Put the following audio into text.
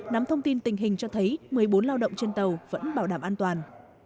nắm thông tin tình hình cho thấy một mươi bốn lao động trên tàu vẫn bảo đảm an toàn